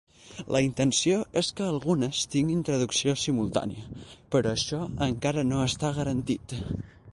La intenció és que algunes tinguin traducció simultània, però això encara no està garantit.